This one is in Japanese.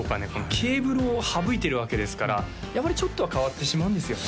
ケーブルを省いてるわけですからやっぱりちょっとは変わってしまうんですよね